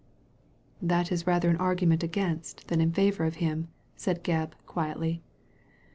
''That is rather an argument against than in favour of him," said Gebb, quietly.